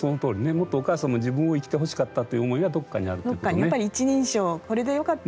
もっとお母さんも自分を生きてほしかったという思いがどっかにあるということね。